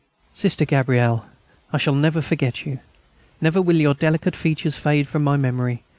Sister Gabrielle! I shall never forget you. Never will your delicate features fade from my memory.